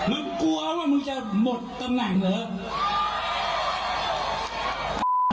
กลัวว่ามึงจะหมดตำแหน่งเหรอ